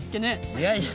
いやいや。